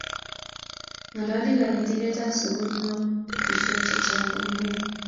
Ng'alali kanetindet ap sukuli no kutuswek chechang' komnye